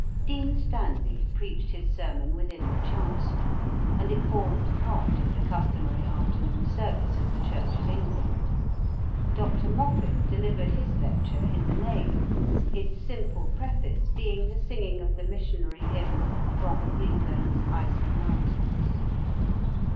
DR. MOFFAT. Dean Stanley preached his sermon within the chancel, and it formed part of the customary afternoon service of the Church of England. Dr. Moffat delivered his lecture in the nave, its simple preface being the singing of the missionary hymn, "From Greenland's icy mountains."